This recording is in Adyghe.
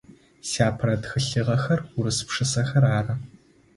Сиапэрэ тхылъыгъэхэр урыс пшысэхэр ары.